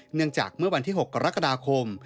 เนื่องจากเมื่อวันที่๖กรกฎาคม